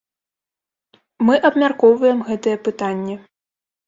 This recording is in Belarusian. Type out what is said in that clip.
Мы абмяркоўваем гэтае пытанне.